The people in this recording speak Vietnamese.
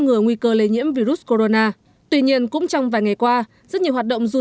ngừa nguy cơ lây nhiễm virus corona tuy nhiên cũng trong vài ngày qua rất nhiều hoạt động du